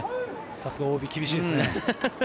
さすがＯＢ、厳しいですね。